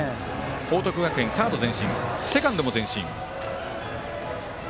報徳学園、サード前進セカンドも前進。